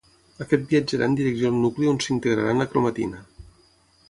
Aquest viatjarà en direcció al nucli on s’integrarà en la cromatina.